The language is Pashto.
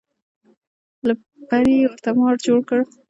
له پړي یې ورته مار جوړ کړ.